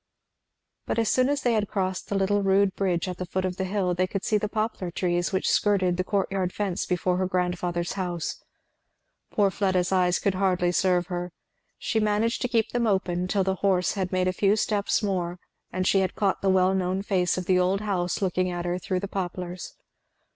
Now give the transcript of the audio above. But as soon as they had crossed the little rude bridge at the foot of the hill they could see the poplar trees which skirted the courtyard fence before her grandfather's house. Poor Fleda's eyes could hardly serve her. She managed to keep them open till the horse had made a few steps more and she had caught the well known face of the old house looking at her through the poplars.